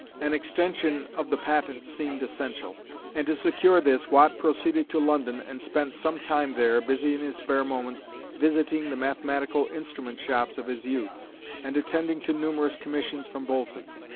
An extension of the patent seemed essential, and to secure this Watt proceeded to London and spent some time there, busy in his spare moments visiting the mathematical instrument shops of his youth, and attending to numerous commissions from Boulton.